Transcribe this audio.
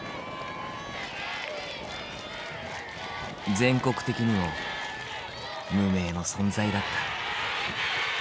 全国的にも無名の存在だった。